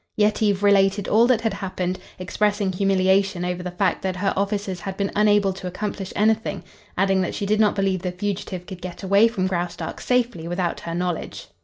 Yetive related all that had happened, expressing humiliation over the fact that her officers had been unable to accomplish anything, adding that she did not believe the fugitive could get away from Graustark safely without her knowledge.